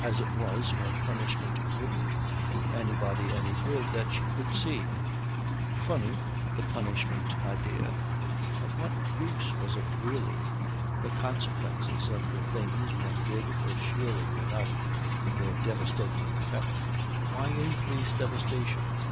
As it was, her punishment wouldn't do anybody any good that she could see. Funny, the punishment idea. Of what use was it really? The consequences of the things one did were surely enough in their devastating effect; why increase devastation?